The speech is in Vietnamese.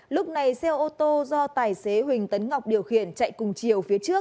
lúc này xe ô tô do tài xế huỳnh tấn ngọc điều khiển chạy cùng chiều phía trước